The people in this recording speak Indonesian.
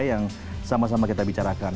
yang sama sama kita bicarakan